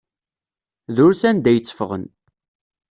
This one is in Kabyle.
Drus anda ay tteffɣen.